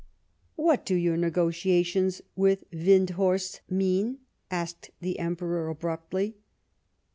" What do your negotiations with Windthorst mean ?" asked the Emperor abruptly.